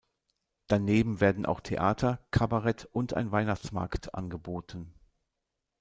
Daneben werden auch Theater, Kabarett und ein Weihnachtsmarkt angeboten.